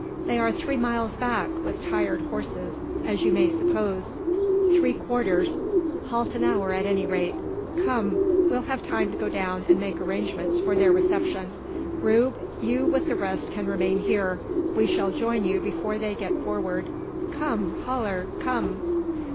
"They are three miles back, with tired horses, as you may suppose." "Three quarters halt an hour at any rate. Come! we'll have time to go down and make arrangements for their reception. Rube! you with the rest can remain here. We shall join you before they get forward. Come, Haller! come!"